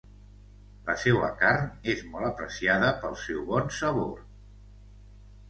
La seua carn és molt apreciada pel seu bon sabor.